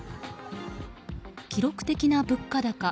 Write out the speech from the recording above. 記録的な物価高